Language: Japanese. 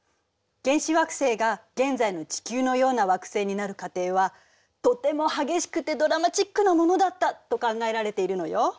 原始惑星が現在の地球のような惑星になる過程はとても激しくてドラマチックなものだったと考えられているのよ。